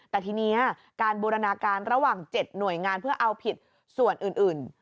แต่ทีนี้การบูรณาการระหว่าง๗หน่วยงานเพื่อเอาผิดส่วนอื่น